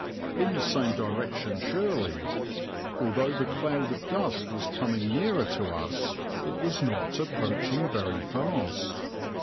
In the same direction surely, for though the cloud of dust was coming nearer to us, it was not approaching very fast.